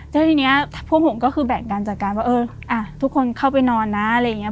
แล้วทีนี้พวกผมก็คือแบ่งการจัดการว่าเออทุกคนเข้าไปนอนนะอะไรอย่างนี้